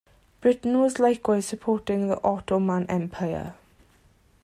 Britain was likewise supporting the Ottoman Empire.